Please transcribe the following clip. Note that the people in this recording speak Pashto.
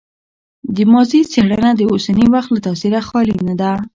د ماضي څېړنه د اوسني وخت له تاثیره خالي نه ده.